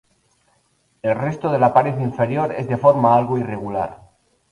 El resto de la pared interior es de forma algo irregular.